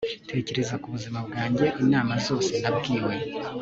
tekereza ku buzima bwanjye, inama zose nabwiwe